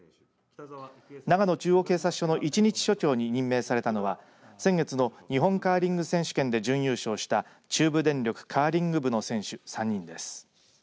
長野中央警察署の１日署長に任命されたのは先月の日本カーリング選手権で準優勝した中部電力カーリング部の選手３人です。